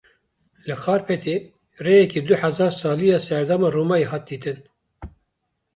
Li Xarpêtê rêyeke du hezar salî ya serdema Romayê hat dîtin.